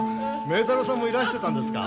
明太郎さんもいらしてたんですか。